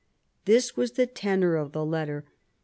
This was the tenor of the letter.